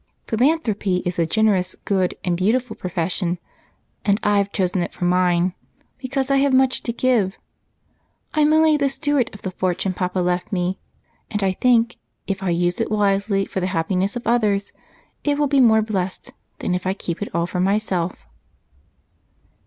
"Philanthropy is a generous, good, and beautiful profession, and I've chosen it for mine because I have much to give. I'm only the steward of the fortune Papa left me, and I think, if I use it wisely for the happiness of others, it will be more blest than if I keep it all for myself."